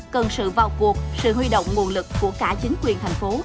cần sự vào cuộc sự huy động nguồn lực của cả chính quyền thành phố